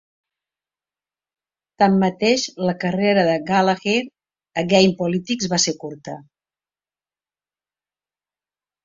Tanmateix, la carrera de Gallagher a GamePolitics va ser curta.